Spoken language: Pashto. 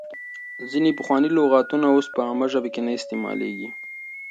ځینې پخواني لغاتونه اوس په عامه ژبه کې نه استعمالېږي.